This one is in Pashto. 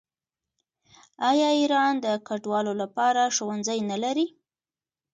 آیا ایران د کډوالو لپاره ښوونځي نلري؟